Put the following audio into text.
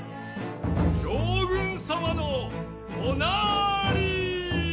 将軍様のおなり。